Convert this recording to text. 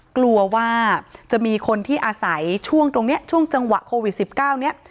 กลัวว่าจะมีคนที่อาศัยช่วงตรงนี้ช่วงจังหวะโควิด๑๙เนี่ย